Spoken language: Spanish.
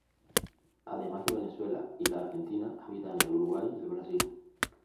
Además de Venezuela y la Argentina, habita en el Uruguay y el Brasil.